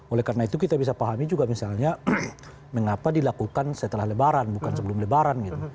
oleh karena itu kita bisa pahami juga misalnya mengapa dilakukan setelah lebaran bukan sebelum lebaran gitu